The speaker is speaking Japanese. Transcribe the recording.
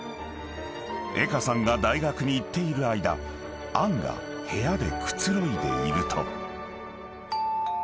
［江歌さんが大学に行っている間杏が部屋でくつろいでいると］